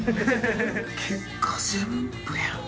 結果全部やん。